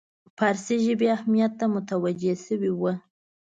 فارسي ژبې اهمیت ته متوجه شوی وو.